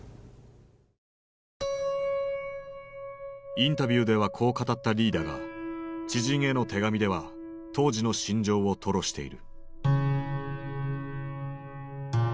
インタビューではこう語ったリーだが知人への手紙では当時の心情を吐露している。